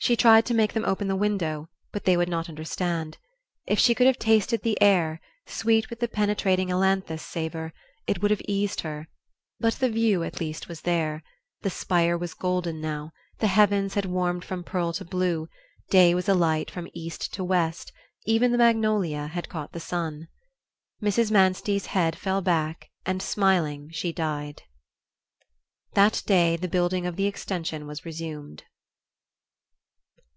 She tried to make them open the window, but they would not understand. If she could have tasted the air, sweet with the penetrating ailanthus savor, it would have eased her; but the view at least was there the spire was golden now, the heavens had warmed from pearl to blue, day was alight from east to west, even the magnolia had caught the sun. Mrs. Manstey's head fell back and smiling she died. That day the building of the extension was resumed.